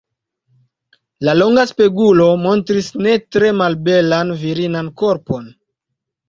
La longa spegulo montris ne tre malbelan virinan korpon.